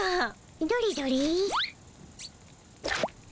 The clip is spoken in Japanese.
どれどれ？